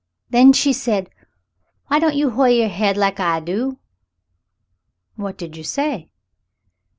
Then she said, 'Whyn't you hoi' your hade like I do ?'" "What did you say